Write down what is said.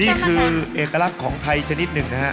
นี่คือเอกลักษณ์ของไทยชนิดหนึ่งนะฮะ